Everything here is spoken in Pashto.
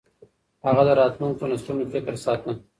هغه د راتلونکو نسلونو فکر ساته.